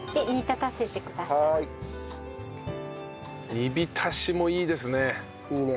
煮びたしもいいですね。